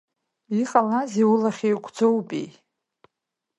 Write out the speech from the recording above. Иҟалазеи, улахь еиқәӡоупеи?